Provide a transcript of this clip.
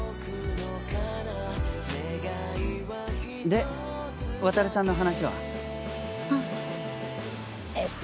で渉さんの話は？あっえっと。